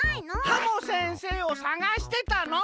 ハモ先生を探してたの！